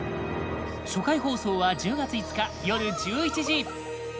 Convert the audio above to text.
初回放送は１０月５日夜１１時。